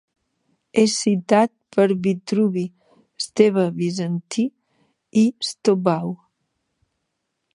És citat per Vitruvi, Esteve Bizantí i Stobau.